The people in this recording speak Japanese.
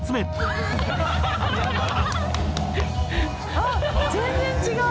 「あっ全然違う」